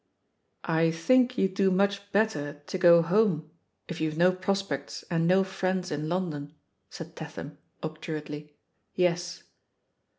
"I think you'd do much better to go home if you've no prospects and no friends in London," said Tatham obdurately. "Yes."